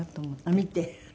見て？